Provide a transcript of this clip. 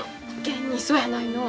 現にそやないの。